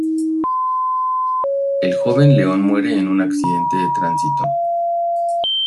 El joven Leon muere en un accidente de Tránsito.